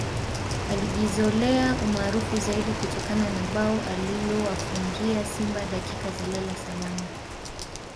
Alijizolea umaarufu zaidi kutokana na bao alilowafungia Simba dakika za lala salama